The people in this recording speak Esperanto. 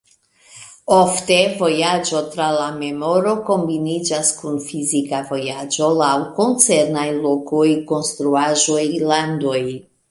Ofte, vojaĝo tra la memoro kombiniĝas kun fizika vojaĝo laŭ koncernaj lokoj, konstruaĵoj, landoj.